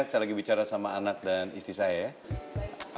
saya lagi bicara sama anak dan istri saya